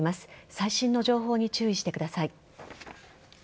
最新の情報に注意してください。